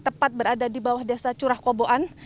tepat berada di bawah desa curah koboan